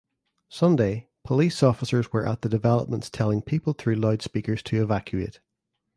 Sunday, police officers were at the developments telling people through loudspeakers to evacuate.